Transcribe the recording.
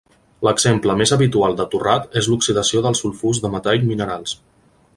L'exemple més habitual de torrat és la oxidació dels sulfurs de metall minerals.